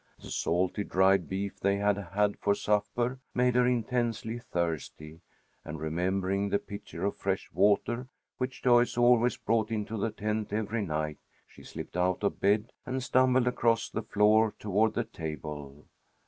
The salty dried beef they had had for supper made her intensely thirsty, and remembering the pitcher of fresh water which Joyce always brought into the tent every night, she slipped out of bed and stumbled across the floor toward the table.